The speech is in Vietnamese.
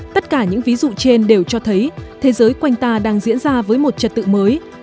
tất cả những ví dụ trên đều cho thấy thế giới quanh ta đang diễn ra với một trật tự mới